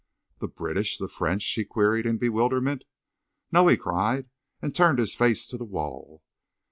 "The British? The French?" she queried, in bewilderment. "No!" he cried, and turned his face to the wall.